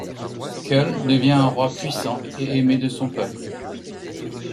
Kull devient un roi puissant et aimé de son peuple.